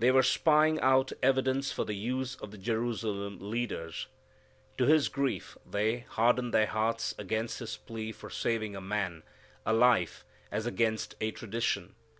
They were spying out evidence for the use of the Jerusalem leaders. To His grief they harden their hearts against His plea for saving a man, a life, as against a tradition.